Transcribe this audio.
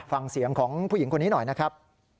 ฟังเสียงของผู้หญิงคนนี้หน่อยนะครับ